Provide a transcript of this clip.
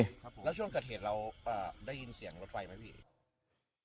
แล้วช่วงกระเทศเราได้ยินเสียงรถไฟไหมพี่